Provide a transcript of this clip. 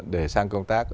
để sang công tác